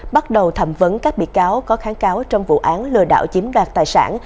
bắt đầu thẩm vấn các bị cáo có kháng cáo trong vụ án lừa đảo chiếm đoạt tài sản